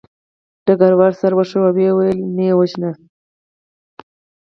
ډګروال سر وښوراوه او ویې ویل چې مه یې وژنئ